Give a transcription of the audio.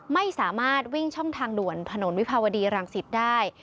ไม่สามารถวิ่งช่องทางด่วนถนนวิภาวดีรังสิตได้